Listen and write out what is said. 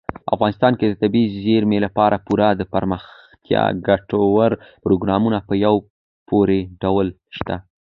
افغانستان کې د طبیعي زیرمې لپاره پوره دپرمختیا ګټور پروګرامونه په پوره ډول شته.